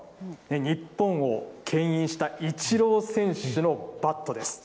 日本をけん引したイチロー選手のバットです。